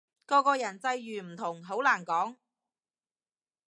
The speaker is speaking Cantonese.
個個人際遇唔同，好難講